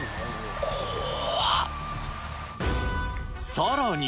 さらに。